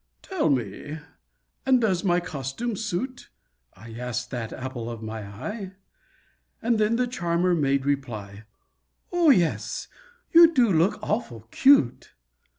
"Tell me and does my costume suit?" I asked that apple of my eye And then the charmer made reply, "Oh, yes, you do look awful cute!"